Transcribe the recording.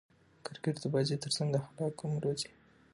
کرکټ د بازي ترڅنګ اخلاق هم روزي.